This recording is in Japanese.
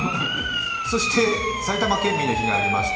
そして埼玉県民の日がありました。